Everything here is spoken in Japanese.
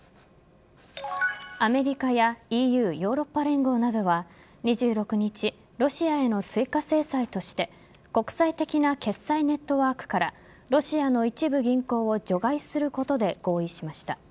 アメリカやＥＵ＝ヨーロッパ連合などは２６日ロシアへの追加制裁として国際的な決済ネットワークからロシアの一部銀行を除外することで合意しました。